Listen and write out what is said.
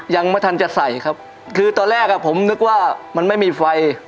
ยังไม่ทันจะใส่ครับคือตอนแรกอ่ะผมนึกว่ามันไม่มีไฟ